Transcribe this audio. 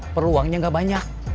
perlu uangnya gak banyak